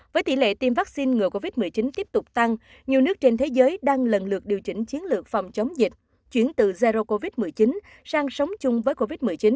với tỷ lệ tiêm vaccine ngừa covid một mươi chín tiếp tục tăng nhiều nước trên thế giới đang lần lượt điều chỉnh chiến lược phòng chống dịch chuyển từ zero covid một mươi chín